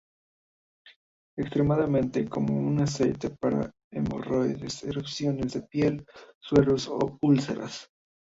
Externamente como un aceite para hemorroides, erupciones de piel, soros u úlceras.